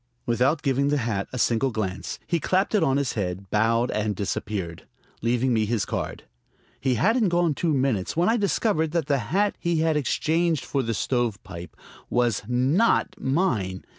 Without giving the hat a single glance, he clapped it on his head, bowed and disappeared, leaving me his card. He hadn't been gone two minutes when I discovered that the hat he had exchanged for the stovepipe was not mine.